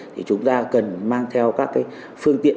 thì chúng ta cần mang theo các phương tiện